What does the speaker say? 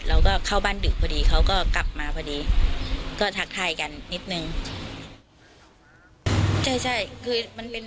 เราก็เข้าบ้านดึกพอดีเขาก็กลับมาพอดีก็ทักทายกันนิดนึง